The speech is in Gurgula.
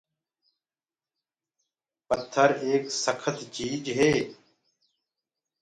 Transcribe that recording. پٿر ايڪ سکت چيٚج هي۔